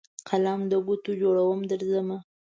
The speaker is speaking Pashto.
قلم دګوټو جوړوم درځمه